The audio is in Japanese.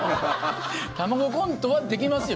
卵コントはできますよ